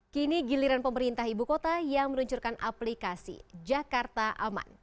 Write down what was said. kini giliran pemerintah ibu kota yang meluncurkan aplikasi jakarta aman